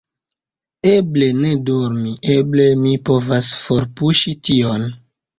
Eble ne dormi, eble mi povas forpuŝi tion…